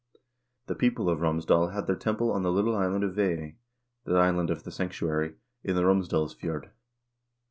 The people of Romsdal had their temple on the little island of Veey (the island of the sanctuary) in the Romsdalsf jord.